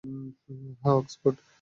হ্যাঁ, অক্সফোর্ড!